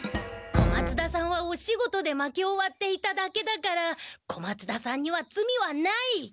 小松田さんはお仕事で薪をわっていただけだから小松田さんにはつみはない！